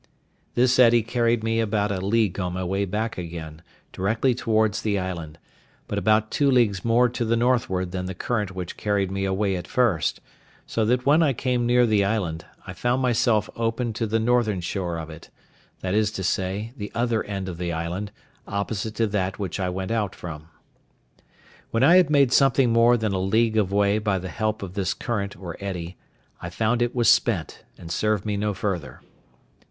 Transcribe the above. This eddy carried me about a league on my way back again, directly towards the island, but about two leagues more to the northward than the current which carried me away at first; so that when I came near the island, I found myself open to the northern shore of it, that is to say, the other end of the island, opposite to that which I went out from. When I had made something more than a league of way by the help of this current or eddy, I found it was spent, and served me no further.